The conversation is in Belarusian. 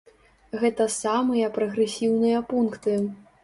Гэта самыя прагрэсіўныя пункты.